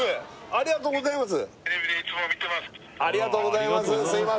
☎ありがとうございます